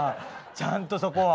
ちゃんとそこは。